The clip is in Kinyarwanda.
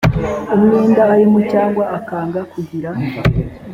umwenda arimo cyangwa akanga kugira